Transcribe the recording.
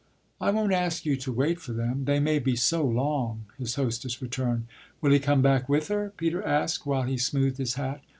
"I won't ask you to wait for them they may be so long," his hostess returned. "Will he come back with her?" Peter asked while he smoothed his hat.